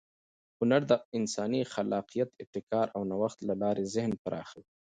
هنر د انساني خلاقیت، ابتکار او نوښت له لارې ذهن پراخوي.